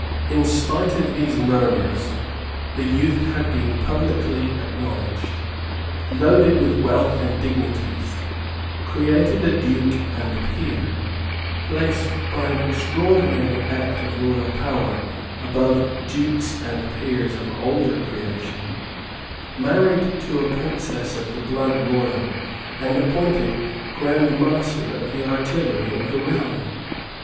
In spite of these murmurs the youth had been publicly acknowledged, loaded with wealth and dignities, created a Duke and Peer, placed, by an extraordinary act of royal power, above Dukes and Peers of older creation, married to a Princess of the blood royal, and appointed Grand Master of the Artillery of the Realm.